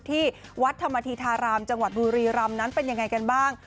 ที่วัดธรรมธีธารามจังหวัดบุรีรำนั้นเป็นยังไงกันบ้าง